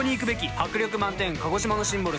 迫力満点鹿児島のシンボル